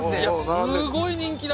すごい人気だ。